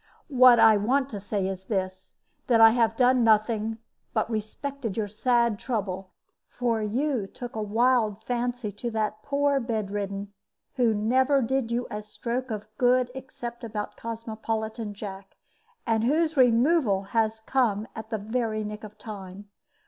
What I want to say is this, that I have done nothing, but respected your sad trouble; for you took a wild fancy to that poor bedridden, who never did you a stroke of good except about Cosmopolitan Jack, and whose removal has come at the very nick of time.